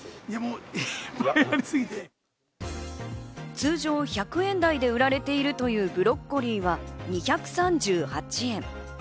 通常１００円台で売られているというブロッコリーは、２３８円。